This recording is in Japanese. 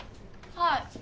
はい。